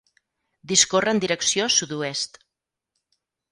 Discorre en direcció sud-oest.